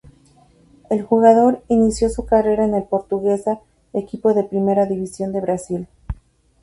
El jugador inició su carrera en el Portuguesa, equipo de primera división de Brasil.